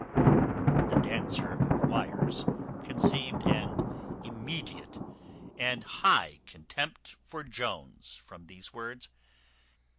The dancer of wires conceived an immediate and high contempt for Jones, from these words.